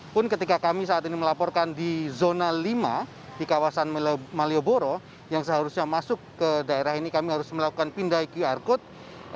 pun ketika kami saat ini melaporkan di zona lima di kawasan malioboro yang seharusnya masuk ke daerah ini kami harus melakukan pindai qr code